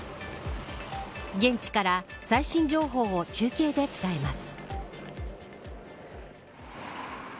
現地から最新情報を中継で伝えます。